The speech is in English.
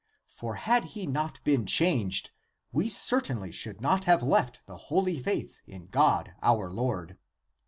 For had he not been changed we cer tainly should not have left the holy faith in God our Lord.